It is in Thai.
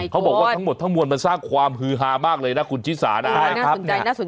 เขาบอกว่าทั้งหมดทั้งมวลมันสร้างความฮือฮามากเลยนะคุณชิสานะครับ